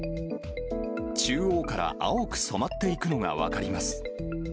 中央から青く染まっていくのが分かります。